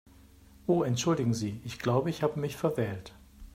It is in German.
Oh entschuldigen Sie, ich glaube, ich habe mich verwählt.